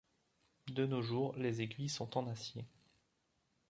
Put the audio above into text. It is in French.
De nos jours, les aiguilles sont en acier.